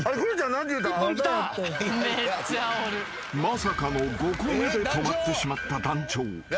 ［まさかの５個目で止まってしまった団長］